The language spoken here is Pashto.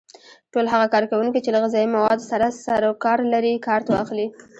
ټول هغه کارکوونکي چې له غذایي موادو سره سرو کار لري کارت واخلي.